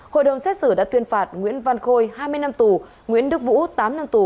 hội đồng xét xử đã tuyên phạt nguyễn văn khôi hai mươi năm tù nguyễn đức vũ tám năm tù